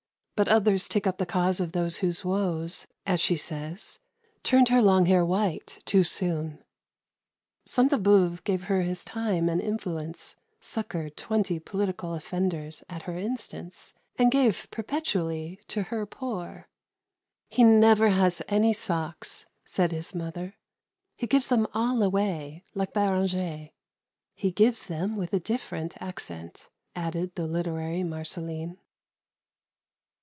But others take up the cause of those whose woes, as she says, turned her long hair white too soon. Sainte Beuve gave her his time and influence, succoured twenty political offenders at her instance, and gave perpetually to her poor. "He never has any socks," said his mother; "he gives them all away, like Beranger." "He gives them with a different accent," added the literary Marceline.